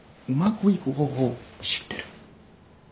うまくいく方法知ってる。